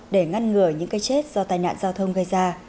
để ngăn ngừa những cái chết do tai nạn giao thông gây ra